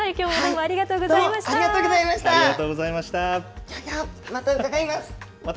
ありがとうギョざいました。